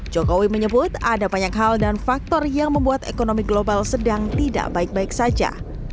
jokowi menyebut ada banyak hal dan faktor yang membuat ekonomi global sedang tidak baik baik saja